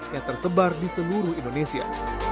yang tersebar di seluruh indonesia